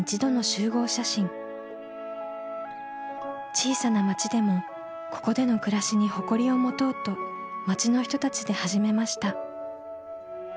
小さな町でもここでの暮らしに誇りを持とうと町の人たちで始めました。